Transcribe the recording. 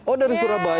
oh dari surabaya